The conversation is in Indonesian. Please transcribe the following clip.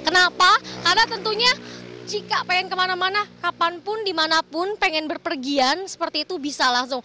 kenapa karena tentunya jika pengen kemana mana kapanpun dimanapun pengen berpergian seperti itu bisa langsung